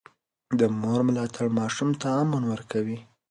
د مور ملاتړ ماشوم ته امن ورکوي.